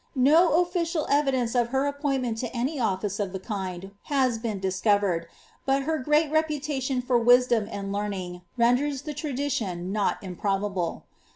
No official evidence I'l' her appoint ment to any otlice of tlie kind has been discovered, but her ^reat repu tation fur wisdom and learning renders the tradition not iiupri<bable.